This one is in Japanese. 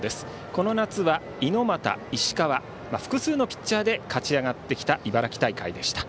この夏は猪俣、石川複数のピッチャーで勝ち上がってきた茨城大会でした。